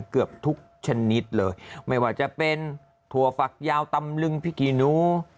เกือบทุกชนิดเลยไม่ว่าจะเป็นถั่วฝักยาวตำลึงพริกกีหนู